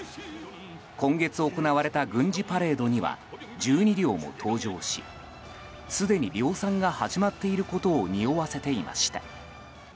今月行われた軍事パレードには１２両も登場しすでに量産が始まっていることをにおわせていました。